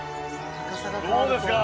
どうですか。